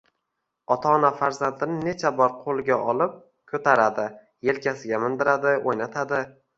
Ota-ona farzandini necha bor qo‘liga olib ko‘taradi, yelkasiga mindiradi, o‘ynatadi.